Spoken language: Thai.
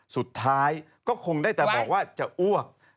สุดท้ายก็คงได้แต่บอกว่าจะอ้วก